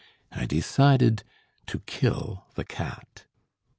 I decided to kill the cat.